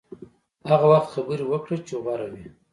هغه وخت خبرې وکړه چې غوره وي.